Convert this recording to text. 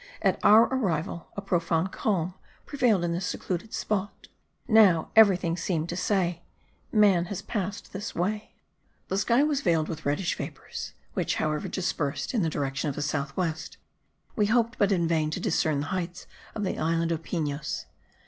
At our arrival a profound calm prevailed in this secluded spot; now, everything seemed to say: Man has passed this way. The sky was veiled with reddish vapours, which however dispersed in the direction of south west; we hoped, but in vain, to discern the heights of the island of Pinos.